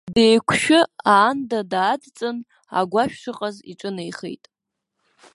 Деиқәшәы аанда даадҵын, агәашә шыҟаз иҿынеихеит.